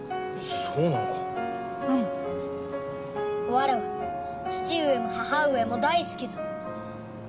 わらわ父上も母上も大好きぞ。